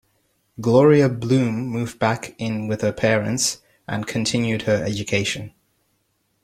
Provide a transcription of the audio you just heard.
Gloria Bloom moved back in with her parents and continued her education.